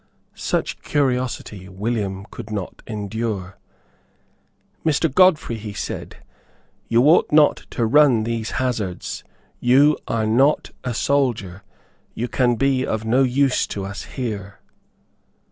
Such curiosity William could not endure. "Mr. Godfrey," he said, "you ought not to run these hazards; you are not a soldier; you can be of no use to us here."